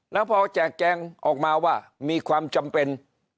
แล้วพอแจกแจงออกมาว่ามีความจำเป็น